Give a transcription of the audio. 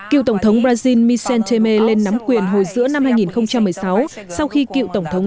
cựu tổng thống brazil michel temer lên nắm quyền hồi giữa năm hai nghìn một mươi sáu sau khi cựu tổng thống